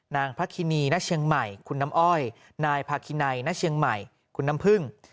นางพระคินีณเชียงใหม่คุณน้ำอ้อยนายพาคินัยณเชียงใหม่คุณน้ำพึ่ง